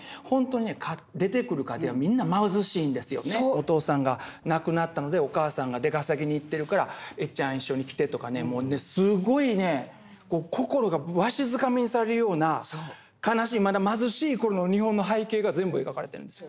お父さんが亡くなったのでお母さんが出稼ぎに行ってるからエッちゃん一緒に来てとかねすごいね心がわしづかみにされるような悲しいまだ貧しいこの日本の背景が全部描かれてるんですよ。